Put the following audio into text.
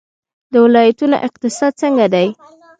د ولایتونو اقتصاد څنګه دی؟